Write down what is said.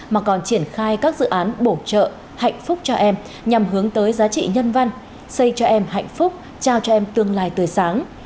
mà còn triển khai các dự án bổ trợ hạnh phúc cho em nhằm hướng tới giá trị nhân văn xây cho em hạnh phúc trao cho em tương lai tươi sáng